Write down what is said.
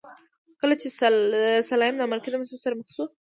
کله چې سلایم له امریکایي بنسټونو سره مخ شو.